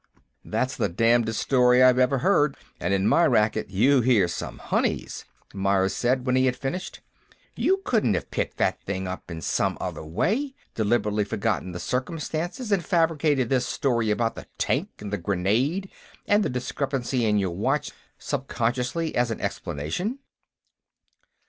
"That's the damnedest story I've ever heard, and in my racket you hear some honeys," Myers said, when he had finished. "You couldn't have picked that thing up in some other way, deliberately forgotten the circumstances, and fabricated this story about the tank and the grenade and the discrepancy in your watch subconsciously as an explanation?"